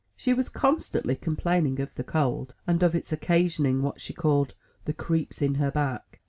She was con stantly complaining of the cold, and of its occasioning what she called "the creeps in her back."